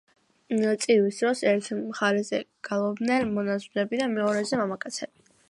წირვის დროს ერთ მხარეზე გალობდნენ მონაზვნები და მეორეზე მამაკაცები.